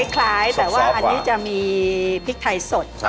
คล้ายแต่ว่าอันนี้จะมีพริกไทยสด